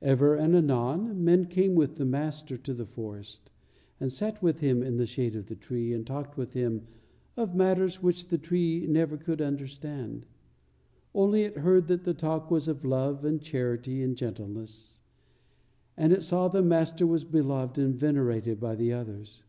Ever and anon men came with the Master to the forest, and sat with Him in the shade of the tree, and talked with Him of matters which the tree never could understand; only it heard that the talk was of love and charity and gentleness, and it saw that the Master was beloved and venerated by the others.